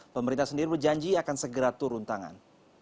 pemerintah sendiri berjanji akan segera turun tangan